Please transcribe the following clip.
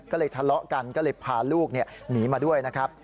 ก็เลยทะเลาะกันก็เลยพาลูกหนีมาด้วยนะครับ